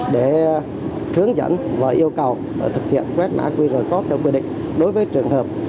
để hướng dẫn và yêu cầu thực hiện quét mạ qr code theo quy định